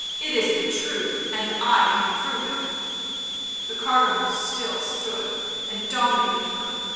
It is the truth, and I can prove it !" The Cardinal still stood and dominated her.